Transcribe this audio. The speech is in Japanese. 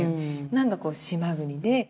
何かこう島国で。